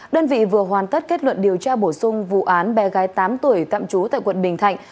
đơn vị vừa hoàn tất kết luận điều tra bổ sung vụ án bé gái tám tuổi tạm trú tại quận bình thạnh